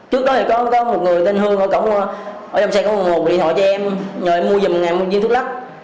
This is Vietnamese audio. trước đó thì có một người tên hương ở trong xe có một điện thoại cho em nhờ em mua một viên thuốc lắc